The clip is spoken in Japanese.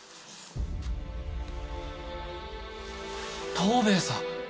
藤兵衛さん！？